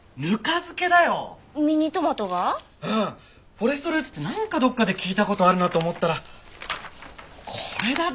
フォレストルーツってなんかどっかで聞いた事あるなと思ったらあっ！